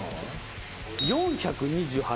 ４２８。